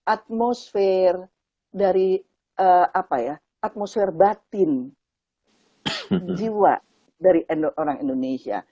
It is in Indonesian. atmosfer dari atmosfer batin jiwa dari orang indonesia